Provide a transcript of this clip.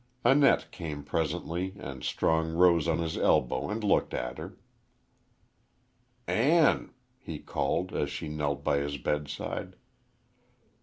Annette came presently and Strong rose on his elbow and looked at her. "Ann," he called, as she knelt by his bedside.